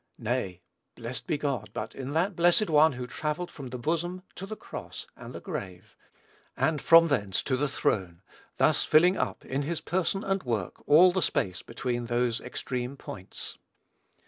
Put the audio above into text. Nay, blessed be God, but in that blessed One who travelled from the bosom to the cross and the grave, and from thence to the throne, thus filling up in his person and work all the space between those extreme points.